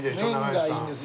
麺がいいんです。